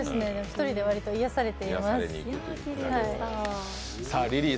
１人で癒やされています。